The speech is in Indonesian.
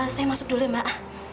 saya masuk dulu mbak